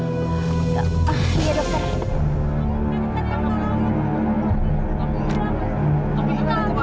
gak apa apa iya dokter